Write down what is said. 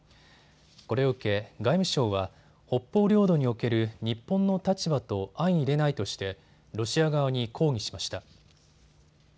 これを受け、外務省は北方領土における日本の立場と相いれないとしてロシア側に抗議しました。